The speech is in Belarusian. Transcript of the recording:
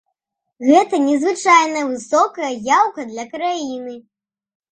Гэта незвычайна высокая яўка для краіны.